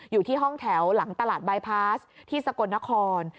อยู่ที่ห้องแถวหลังตลาดบายพาสที่สกลนคร